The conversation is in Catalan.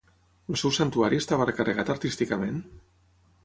El seu santuari estava recarregat artísticament?